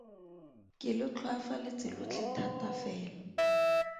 Ke le tlhoafaletse lotlhe thata fela.